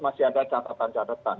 masih ada catatan catatan